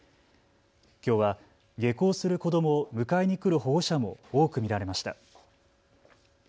きょうは下校する子どもを迎えに来る保護者も多く見られました。